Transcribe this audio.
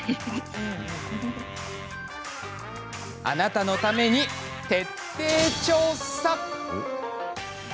あなたのために徹底調査！